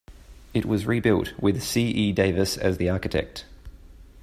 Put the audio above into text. It was rebuilt, with C. E. Davis as the architect.